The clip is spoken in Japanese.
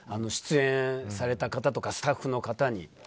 出演された方とかスタッフの方に。